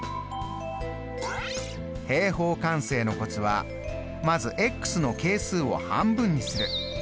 平方完成のコツはまずの係数を半分にする。